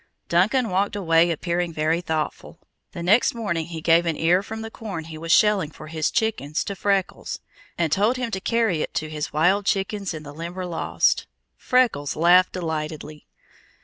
Duncan walked away appearing very thoughtful. The next morning he gave an ear from the corn he was shelling for his chickens to Freckles, and told him to carry it to his wild chickens in the Limberlost. Freckles laughed delightedly.